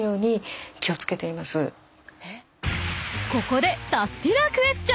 ［ここで］